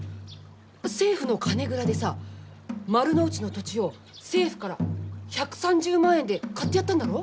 政府の金蔵でさ丸の内の土地を政府から１３０万円で買ってやったんだろう？